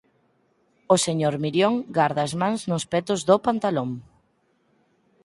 O señor Mirión garda as mans nos petos do pantalón.